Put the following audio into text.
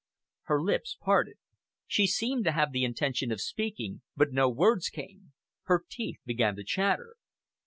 Her lips parted. She seemed to have the intention of speaking, but no words came. Her teeth began to chatter.